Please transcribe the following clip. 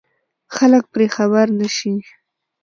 خلک پرې خبر نه شي.